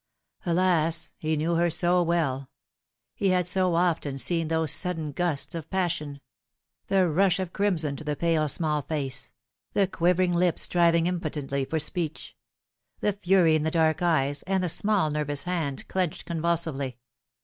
Alas ! he knew her so well ; he had so often seen those sudden gusts of passion ; the rush of crimson to the pale small face ; the quivering lips striving impotently for speech ; the fury in the dark eyes, and the small nervous hands clenched convulsively.